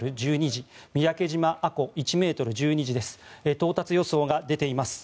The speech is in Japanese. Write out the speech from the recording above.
到達予想が出ています。